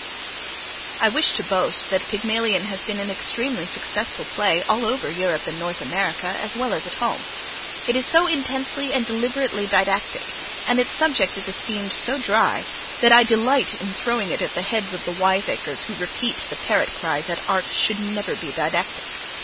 I wish to boast that Pygmalion has been an extremely successful play all over Europe and North America as well as at home. It is so intensely and deliberately didactic, and its subject is esteemed so dry, that I delight in throwing it at the heads of the wiseacres who repeat the parrot cry that art should never be didactic.